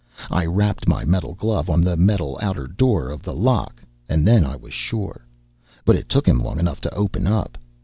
I rapped my metal glove on the metal outer door of the lock, and then I was sure. But it took him long enough to open up.